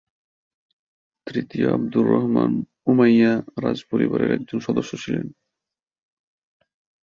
তৃতীয় Abdur Rahman Umayyad রাজপরিবারের একজন সদস্য ছিলেন।